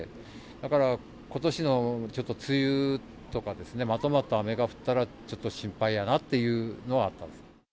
だからことしのちょっと梅雨とかですね、まとまった雨が降ったら、ちょっと心配やなっていうのはあったんです。